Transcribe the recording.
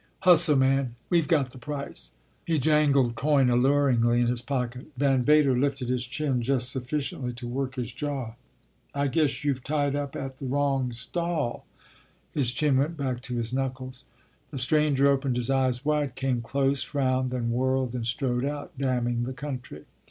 " Hustle, man ! We ve got the price !" He jan gled coin alluringly in his pocket. Van Vader lifted his chin just sufficiently to work his jaw. " I guess you ve tied up at the wrong stall." His chin went back to his knuckles. The stranger opened his eyes wide, came close, frowned, then whirled and strode out, damning the country.